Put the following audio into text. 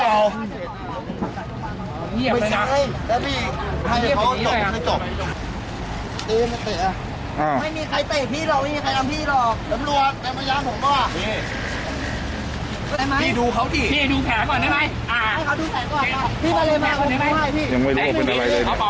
อ่าให้เขาดูแผลก่อนพี่มาเลยมาพี่มาเลยมา